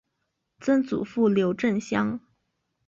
曾祖父刘震乡。